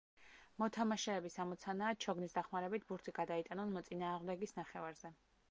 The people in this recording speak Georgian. მოთამაშეების ამოცანაა ჩოგნის დახმარებით ბურთი გადაიტანონ მოწინააღმდეგის ნახევარზე.